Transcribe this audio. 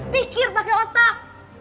pikir pakai otak